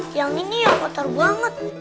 yang ini ya kotor banget